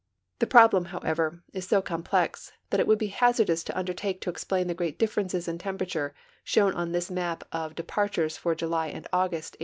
The problem, however, is so complex that it would be hazardous to undertake to explain the great difierences in temi)erature shown on this map of departures for July and August, 1896.